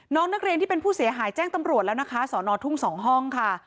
น้องนักเรียนที่เป็นผู้เสียหายแจ้งตำรวจแล้วนะคะสอนอทุ่ง๒ห้องค่ะ